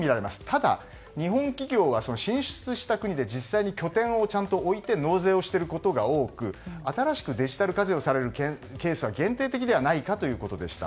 ただ、日本企業は進出した国で実際に拠点を置いて納税をしていることが多く新しくデジタル課税をされるケースは限定的ではないかということでした。